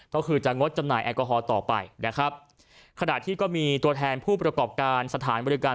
ก็คือจะงดจำหน่าแอลกอฮอลต่อไปนะครับขณะที่ก็มีตัวแทนผู้ประกอบการสถานบริการ